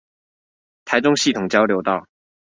台中系統交流道